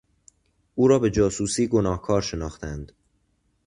او را به جاسوسی گناهکار شناختند.